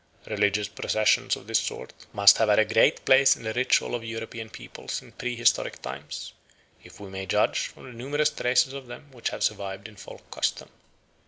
Religious processions of this sort must have had a great place in the ritual of European peoples in prehistoric times, if we may judge from the numerous traces of them which have survived in folk custom.